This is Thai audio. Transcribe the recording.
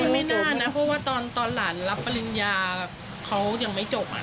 ไม่น่านะเพราะว่าตอนหลานรับปริญญาแบบเขายังไม่จบ